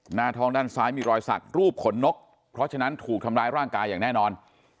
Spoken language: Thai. หน้าท้องด้านซ้ายมีรอยสักรูปขนนกเพราะฉะนั้นถูกทำร้ายร่างกายอย่างแน่นอน